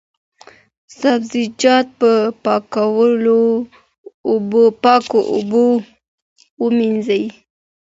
سبزیجات په پاکو اوبو ووینځئ.